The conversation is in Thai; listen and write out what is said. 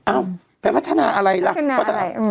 อ้าวปั๊ะปัฒนาอะไรหละ